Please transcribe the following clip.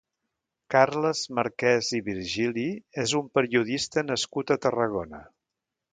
Carles Marquès i Virgili és un periodista nascut a Tarragona.